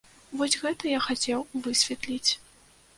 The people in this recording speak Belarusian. Вось гэта я хацеў высветліць.